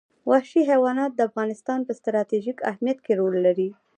وحشي حیوانات د افغانستان په ستراتیژیک اهمیت کې رول لري.